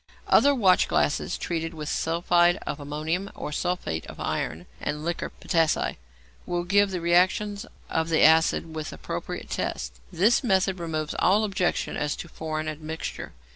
Other watchglasses, treated with sulphide of ammonium or sulphate of iron and liquor potassæ, will give the reactions of the acid with appropriate tests. This method removes all objections as to foreign admixture.